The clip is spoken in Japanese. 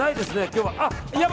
今日は。